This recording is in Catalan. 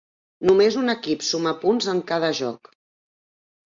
Només un equip suma punts en cada joc.